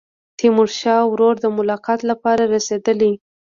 تیمورشاه ورور د ملاقات لپاره رسېدلی.